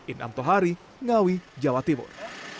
inam tohari ngawi jawa timur